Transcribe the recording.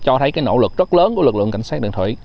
cho thấy cái nỗ lực rất lớn của lực lượng cảnh sát đường thủy